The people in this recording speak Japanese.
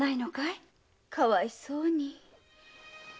かわいそうに。